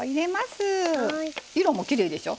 色もきれいでしょう。